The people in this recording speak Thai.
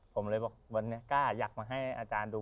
ผมเลยว่าแอทมาให้อาจารย์ดู